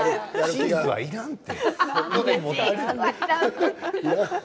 チーズはいらんって。